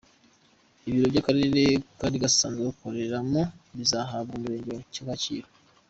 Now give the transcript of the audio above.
Ibiro akarere kari gasanzwe gakoreramo bizahabwa umurenge wa Kacyiru.